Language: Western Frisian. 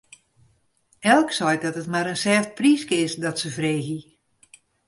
Elk seit dat it mar in sêft pryske is, dat se freegje.